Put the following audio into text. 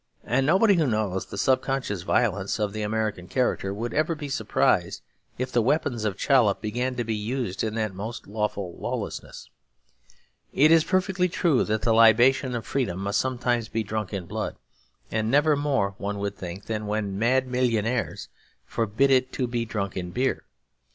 And nobody who knows the subconscious violence of the American character would ever be surprised if the weapons of Chollop began to be used in that most lawful lawlessness. It is perfectly true that the libation of freedom must sometimes be drunk in blood, and never more (one would think) than when mad millionaires forbid it to be drunk in beer.